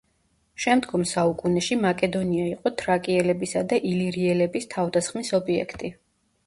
შემდგომ საუკუნეში მაკედონია იყო თრაკიელებისა და ილირიელების თავდასხმის ობიექტი.